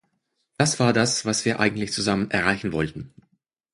Das war das, was wir eigentlich zusammen erreichen wollten.